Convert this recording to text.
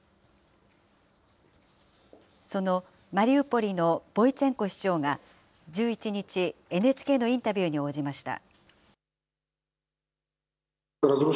そのマリウポリのボイチェンコ市長が１１日、ＮＨＫのインタビューに応じました。